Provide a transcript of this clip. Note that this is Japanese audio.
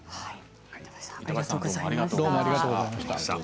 板橋さんありがとうございました。